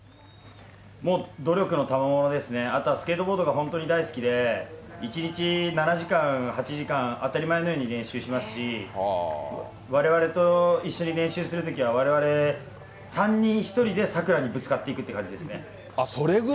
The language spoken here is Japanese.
もう努力のたまものですね、あとはスケートボードが本当に大好きで、１日７時間、８時間、当たり前のように練習しますし、われわれと一緒に練習するときは、われわれ、３人１人でさくらにぶつかっていくって感じですね。